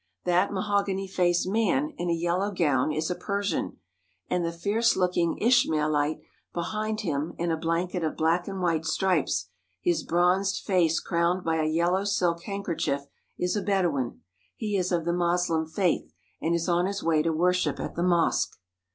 That mahogany faced man in a yellow gown is a Persian, and the fierce looking Ishmaelite behind him, in a blanket of black and white stripes, his bronzed face crowned by a yellow silk handkerchief, is a Bedouin ; he is of the Moslem faith, and is on his way to wor ship at the mosque.